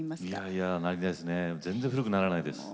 いやいやないですね。